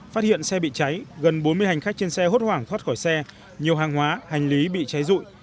phát hiện xe bị cháy gần bốn mươi hành khách trên xe hốt hoảng thoát khỏi xe nhiều hàng hóa hành lý bị cháy rụi